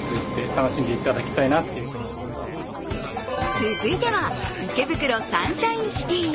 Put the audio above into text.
続いては池袋サンシャインシティ。